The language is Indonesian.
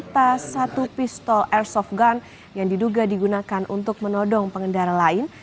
tas satu pistol airsoft gun yang diduga digunakan untuk menodong pengendara lain